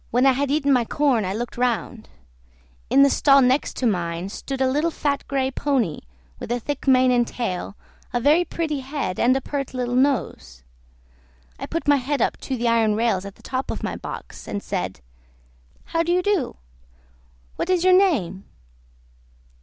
When I had eaten my corn I looked round. In the stall next to mine stood a little fat gray pony, with a thick mane and tail, a very pretty head, and a pert little nose. I put my head up to the iron rails at the top of my box, and said, "How do you do? What is your name?"